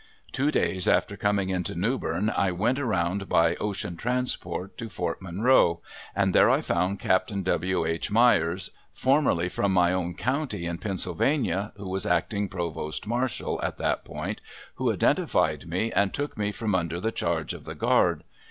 Two days after coming into Newbern I went around by ocean transport to Fort Monroe, and there I found Capt. W. H. Meyers, formerly from my own county in Pennsylvania, who was acting provost marshal at that point, who identified me and took me from under the charge of the guard.